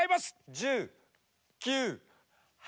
１０９８。